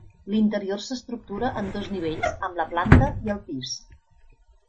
L'interior s'estructura en dos nivells amb la planta i el pis.